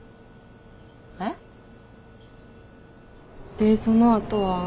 でそのあとは？